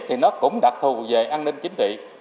thì nó cũng đặc thù về an ninh chính trị